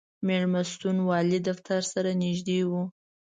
مېلمستون والي دفتر سره نږدې و.